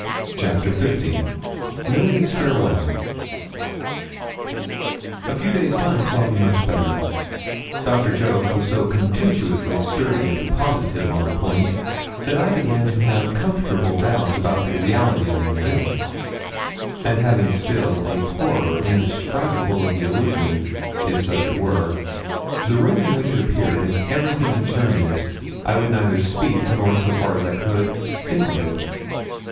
CHAPTER L MILLY'S FAREWELL A few days' time saw me much better. Doctor Jolks was so contemptuously sturdy and positive on the point, that I began to have comfortable doubts about the reality of my ghost; and having still a horror indescribable of the illusion, if such it were, the room in which it appeared, and everything concerning it, I would neither speak, nor, so far as I could, think of it.